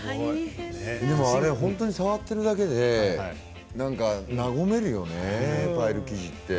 あれ触ってるだけで和めるよね、パイル生地って。